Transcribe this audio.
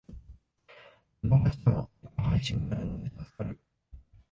見逃してもネット配信があるので助かる